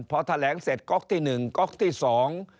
พอแถลงเสร็จก๊อกที่หนึ่งก๊อกที่สอง